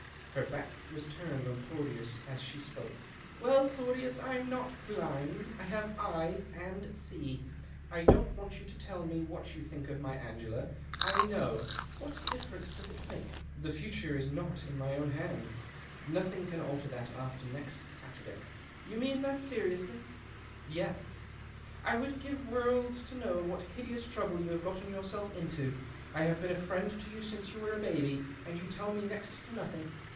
Her back was turned on Claudius ^ she spoke —" Well, Claudius, I'm not blind. I have yeB and see. I don't want you to tell me hat you think of my Angela. I know, i^hat difference does it make ?" "The future is not in my own hands. Fothing can alter that — after next Saturday." 176 THE OCTAVE OF CLAUDIUS. " You mean that seriously ?" "Yes." " I would give worlds to know what hideous trouble you have got yourself into. I have been a friend to you since you were a baby, and you tell me next to nothing.